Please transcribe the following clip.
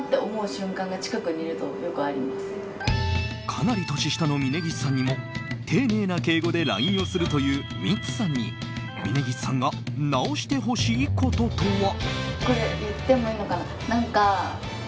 かなり年下の峯岸さんにも丁寧な敬語でＬＩＮＥをするというミッツさんに峯岸さんが直してほしいこととは。